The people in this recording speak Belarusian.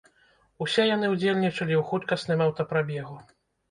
Усе яны ўдзельнічалі ў хуткасным аўтапрабегу.